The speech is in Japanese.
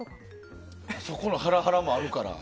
そこのハラハラもあるから。